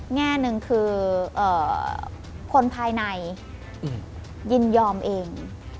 แง่หนึ่งคือคนภายในยินยอมเอง